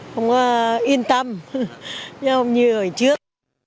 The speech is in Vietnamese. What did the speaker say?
không có yên tâm như hồi trước